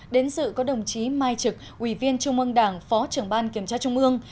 đến sự có đồng chí mai trực ủy viên trung ương đảng phó trưởng ban kiểm tra trung ương